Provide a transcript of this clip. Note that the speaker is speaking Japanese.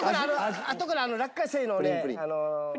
あとから落花生のね